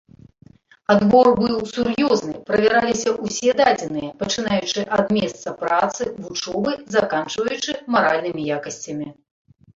Адбор быў сур'ёзны, правяраліся ўсе дадзеныя, пачынаючы ад месца працы, вучобы, заканчваючы маральнымі якасцямі.